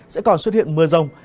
sẽ còn xuất hiện mưa rông